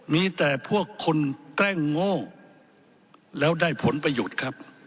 มีแต่พวกคนแกล้งโง่แล้วได้ผลประโยชน์ครับ